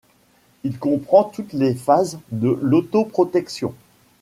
Il comprend toutes les phases de l’auto-protection.